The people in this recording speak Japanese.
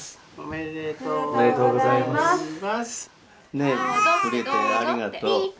ねえありがとう。